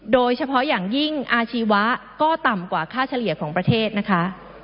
โดยเฉพาะอย่างยิ่งอาชีวะก็ต่ำกว่าค่าเฉลี่ยของประเทศนะคะ